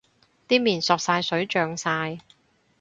啲麵索晒水脹晒